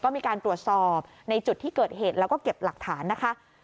มีการตรวจสอบในจุดที่เกิดเหตุแล้วก็เก็บหลักฐานนะคะ